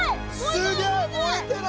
すげえ燃えてない！